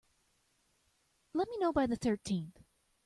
Let me know by the thirteenth.